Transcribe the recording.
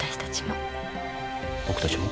僕たちも？